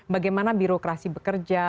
bagaimana birokrasi bekerja